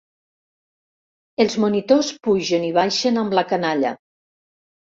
Els monitors pugen i baixen amb la canalla.